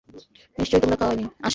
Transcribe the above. নিশ্চয় তোমার খাওয়া হয় নি।